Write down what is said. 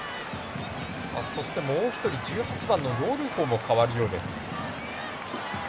そして、もう一人１８番のロルフォも代わるようです。